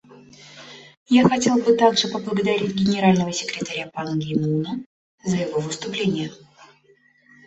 Я хотел бы также поблагодарить Генерального секретаря Пан Ги Муна за его выступление.